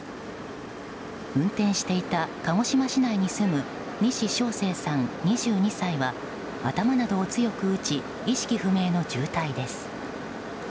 運転していた鹿児島市内に住む西翔聖さん、２２歳は頭などを強く打ち意識不明の重体です。